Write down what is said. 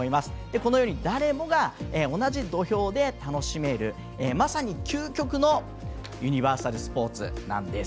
このように誰もが同じ土俵で楽しめるまさに究極のユニバーサルスポーツなんです。